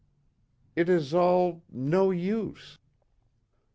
It is all no use!"